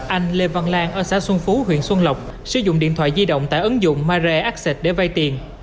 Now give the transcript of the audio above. anh lê văn lan ở xã xuân phú huyện xuân lộc sử dụng điện thoại di động tại ứng dụng mare access để vai tiền